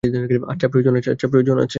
আচ্ছা, প্রয়োজন আছে।